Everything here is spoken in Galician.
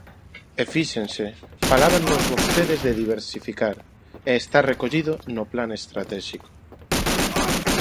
E fíxense, falábannos vostedes de diversificar, e está recollido no Plan estratéxico.